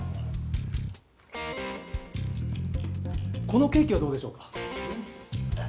このケーキはどうでしょうか？